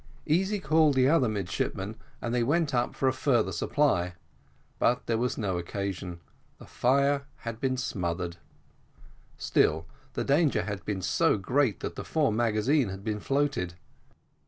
Easy called the other midshipmen, and they went up for a further supply; but there was no occasion, the fire had been smothered: still the danger had been so great that the fore magazine had been floated.